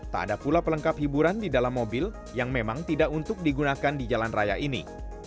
tak ada pula pelengkap hiburan di dalam mobil yang memang tidak untuk digunakan di jalan raya ini